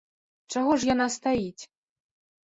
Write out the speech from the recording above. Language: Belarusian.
Чаго ж яна стаіць?